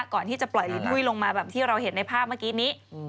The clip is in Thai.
ก่อนที่จะปล่อยลิ้นหุ้ยลงมาแบบที่เราเห็นในภาพเมื่อกี้นี้